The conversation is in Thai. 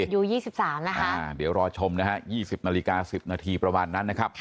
อยู่ยี่สิบสามนะคะเดี๋ยวรอชมนะคะยี่สิบนาฬิกาสิบนาทีประมาณนั้นนะครับ